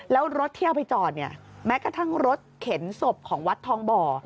แล้วรถที่เอาไปจอดเนี่ยแม้กระทั่งรถเข็นศพของวัดทองบ่อ